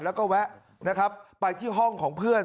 แล้วก็แวะนะครับไปที่ห้องของเพื่อน